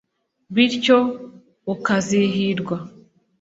bityo ukazahirwa